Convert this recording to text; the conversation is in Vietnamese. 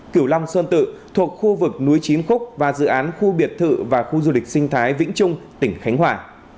cửu long sơn tự thuộc khu vực núi chín khúc và dự án khu biệt thự và khu du lịch sinh thái vĩnh trung tỉnh khánh hòa